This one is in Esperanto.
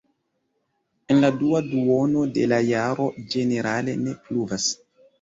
En la dua duono de la jaro ĝenerale ne pluvas.